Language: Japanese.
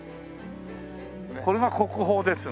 これが国宝ですね？